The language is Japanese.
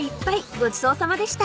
［ごちそうさまでした］